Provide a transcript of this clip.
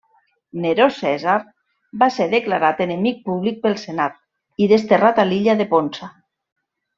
Neró Cèsar va ser declarat enemic públic pel senat i desterrat a l'illa de Ponça.